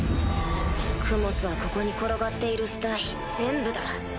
供物はここに転がっている死体全部だ。